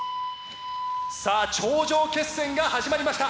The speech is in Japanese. さあ頂上決戦が始まりました。